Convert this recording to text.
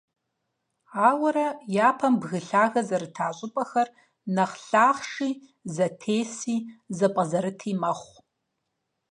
Ауэрэ, япэм бгы лъагэ зэрыта щIыпIэр нэхъ лъахъши, зэтеси, зэпIэзэрыти мэхъу.